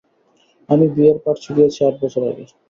আমি বিয়ের পাট চুকিয়েছি আট বছর আগে।